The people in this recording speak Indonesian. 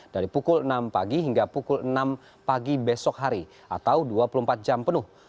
dari pukul enam pagi hingga pukul enam pagi besok hari atau dua puluh empat jam penuh